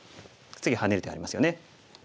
次ハネる手ありますよね。